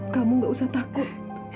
kamu tidak perlu takut